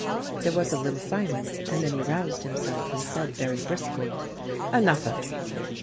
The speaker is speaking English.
There was a little silence and then he roused himself and said, very briskly, "Enough of dreaming!